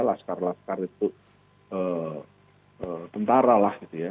laskar laskar itu tentara lah gitu ya